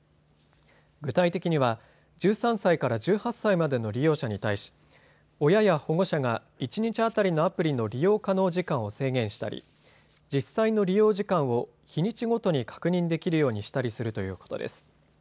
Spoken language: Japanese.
具体的には１３歳から１８歳までの利用者に対し親や保護者が一日当たりのアプリの利用可能時間を制限したり実際の利用時間を日にちごとに確認できるようにしたりするということです。